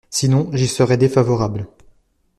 Sinon j’y serai défavorable.